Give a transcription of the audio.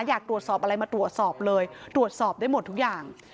อยากตรวจสอบอะไรมาตรวจสอบเลยตรวจสอบได้หมดทุกอย่าง